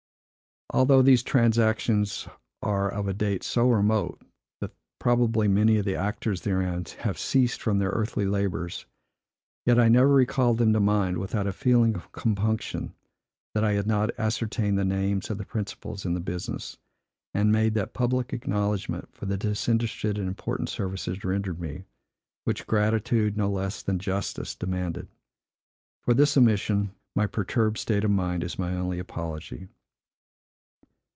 Although these transactions are of a date so remote, that probably many of the actors therein have "ceased from their earthly labors," yet I never recall them to mind, without a feeling of compunction that I had not ascertained the names of the principals in the business, and made that public acknowledgment for the disinterested and important services rendered me, which gratitude, no less than justice, demanded. For this omission my perturbed state of mind is my only apology.